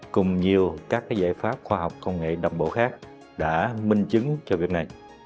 cùng nhiều các giải pháp khoa học công nghệ đồng bộ khác đã minh chứng cho việc này